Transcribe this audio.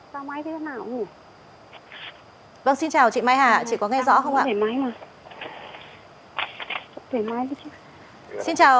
vâng xin chào chị mai hà chị có nghe rõ không ạ